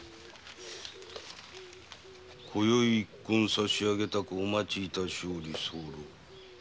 「今宵一献差し上げたくお待ち致しおり候」？